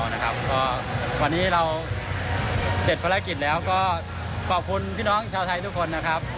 ก็วันนี้เราเสร็จภารกิจแล้วก็ขอบคุณพี่น้องชาวไทยทุกคนนะครับ